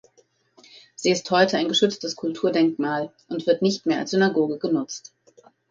Sie ist heute ein geschütztes Kulturdenkmal und wird nicht mehr als Synagoge genutzt.